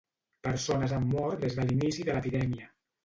Persones han mort des de l'inici de l'epidèmia.